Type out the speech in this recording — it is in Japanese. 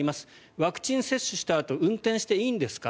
ワクチン接種したあと運転していいんですか？